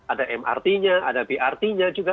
ada mrt nya ada brt nya juga